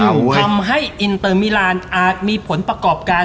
ทำให้อินเตอร์มิลานอาจมีผลประกอบการ